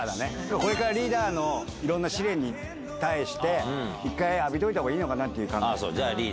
これからリーダーのいろんな試練に対して、一回浴びといたほうがいいのかなっていう感じ。